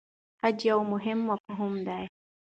خج یو مهم مفهوم دی.